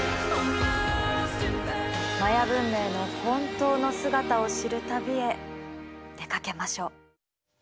マヤ文明の本当の姿を知る旅へ出かけましょう。